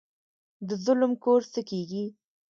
د ظالم کور څه کیږي؟